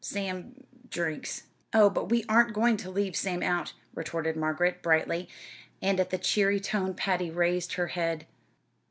Sam drinks." "Oh, but we aren't going to leave Sam out," retorted Margaret, brightly; and at the cheery tone Patty raised her head.